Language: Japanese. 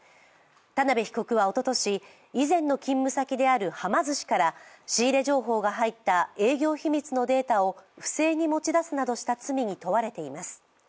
田辺被告はおととし以前の勤務先であるはま寿司から仕入れ情報が入った営業秘密のデータを不正に持ち出すなどした罪に問われています。